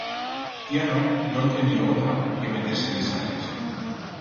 Tiana no'n tenió otra que meter-se de sayas.